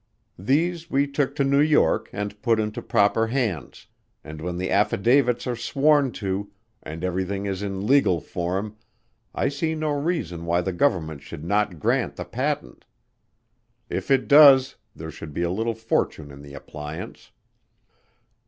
These we took to New York and put into proper hands, and when the affidavits are sworn to and everything is in legal form I see no reason why the government should not grant the patent. If it does, there should be a little fortune in the appliance."